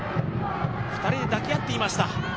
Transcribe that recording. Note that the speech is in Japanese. ２人で抱き合っていました。